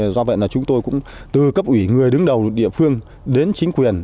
do vậy là chúng tôi cũng từ cấp ủy người đứng đầu địa phương đến chính quyền